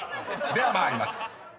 ［では参ります］